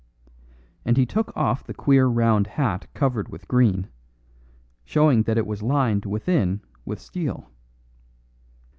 And he took off the queer round hat covered with green, showing that it was lined within with steel.